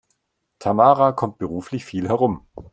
Tamara kommt beruflich viel herum.